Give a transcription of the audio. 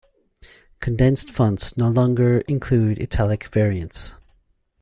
Condensed fonts no longer include italic variants.